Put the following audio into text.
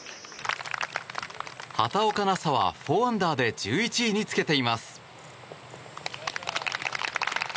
畑岡奈紗は４アンダーで１１位につけています。